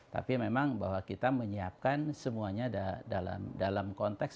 tapi memang bahwa kita menyiapkan semuanya dalam konteks